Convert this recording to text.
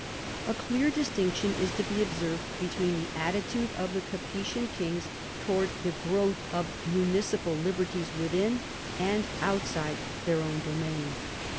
A clear distinction is to be observed between the attitude of the Capetian kings towards the growth of municipal liberties within, and outside, their own domain.